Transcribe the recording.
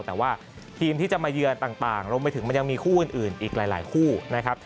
แต่ว่าทีมที่จะมาเยือนต่างรวมไปถึงมันยังมีคู่อื่นอีกหลายคู่นะครับ